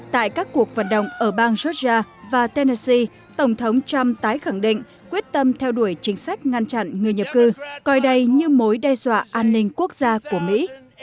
tại các cuộc vận động ở bang georgia và tennessee tổng thống trump tái khẳng định quyết tâm theo đuổi chính sách ngăn chặn người nhập cư coi đây như mối đe dọa an ninh quốc gia của mỹ